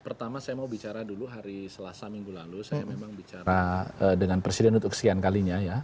pertama saya mau bicara dulu hari selasa minggu lalu saya memang bicara dengan presiden untuk kesekian kalinya ya